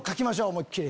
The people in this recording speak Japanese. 思いっ切り。